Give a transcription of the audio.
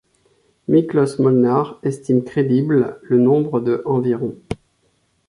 Miklós Molnar estime crédible le nombre de environ.